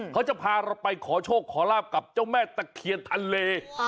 เขาจะพาเราไปขอโชคขอลาบกับเจ้าแม่ตะเคียนทะเล